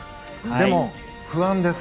でも、不安です。